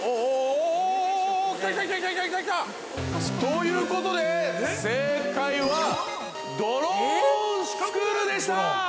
◆お、お、お、来た来た来た来た！ということで正解は、ドローンスクールでした。